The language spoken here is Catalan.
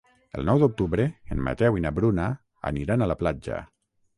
El nou d'octubre en Mateu i na Bruna aniran a la platja.